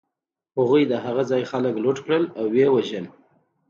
هغوی د هغه ځای خلک لوټ کړل او و یې وژل